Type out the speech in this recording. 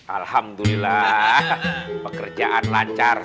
alhamdulillah pekerjaan lancar